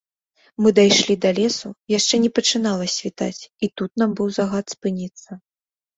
Мы дайшлі да лесу, яшчэ не пачынала світаць, і тут нам быў загад спыніцца.